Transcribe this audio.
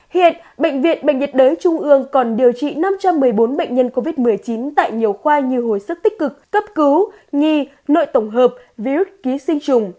hiện bệnh viện bệnh nhiệt đới trung ương còn điều trị năm trăm một mươi bốn bệnh nhân covid một mươi chín tại nhiều khoa như hồi sức tích cực cấp cứu nhi nội tổng hợp virus ký sinh trùng